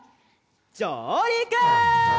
じょうりく！